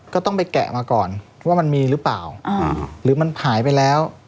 ก็ต้องไปแกะมาก่อนว่ามันมีหรือเปล่าหรือมันหายไปแล้ว